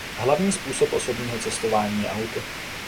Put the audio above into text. Hlavní způsob osobního cestování je auto.